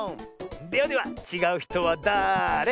ではではちがうひとはだれ？